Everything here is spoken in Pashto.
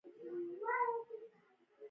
د شرابو یوه ګیلاس زما ژوند له مرګ وژغوره